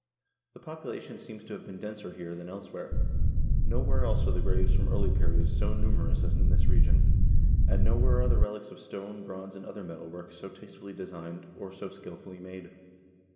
The population seems to have been denser here than elsewhere. Nowhere else are the graves from early periods so numerous as in this region, and no where are the relics of stone, bronze, and other metal work so taste fully designed, or so skillfully made.